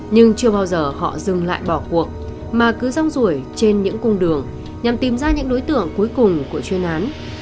nhưng chưa bao giờ họ dừng lại bỏ cuộc mà cứ rong rủi trên những cung đường nhằm tìm ra những đối tượng cuối cùng của chuyên án